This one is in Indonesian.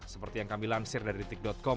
seperti yang kami lansir dari detik com